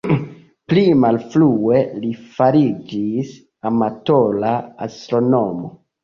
Pli malfrue li fariĝis amatora astronomo.